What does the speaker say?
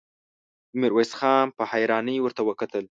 ميرويس خان په حيرانۍ ورته وکتل.